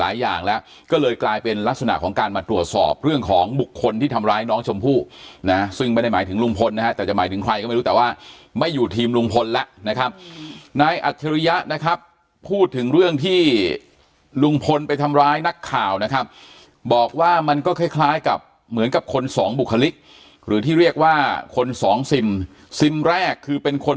อย่างแล้วก็เลยกลายเป็นลักษณะของการมาตรวจสอบเรื่องของบุคคลที่ทำร้ายน้องชมพู่นะซึ่งไม่ได้หมายถึงลุงพลนะฮะแต่จะหมายถึงใครก็ไม่รู้แต่ว่าไม่อยู่ทีมลุงพลแล้วนะครับนายอัจฉริยะนะครับพูดถึงเรื่องที่ลุงพลไปทำร้ายนักข่าวนะครับบอกว่ามันก็คล้ายคล้ายกับเหมือนกับคนสองบุคลิกหรือที่เรียกว่าคนสองซิมซิมแรกคือเป็นคน